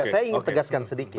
saya ingin tegaskan sedikit